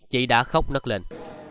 chị đã khóc nất lên